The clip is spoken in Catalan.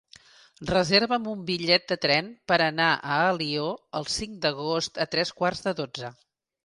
Reserva'm un bitllet de tren per anar a Alió el cinc d'agost a tres quarts de dotze.